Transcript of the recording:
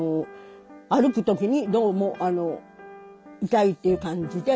歩くときにどうも痛いっていう感じで。